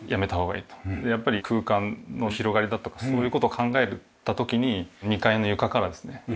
やっぱり空間の広がりだとかそういう事を考えた時に２階の床からですね